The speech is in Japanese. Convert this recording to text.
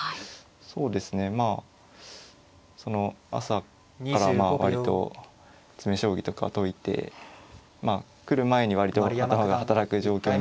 そうですねまあその朝から割と詰め将棋とか解いて来る前に割と頭が働く状況にしてからっていう。